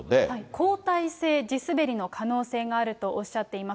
後退性地滑りの可能性があるとおっしゃっています。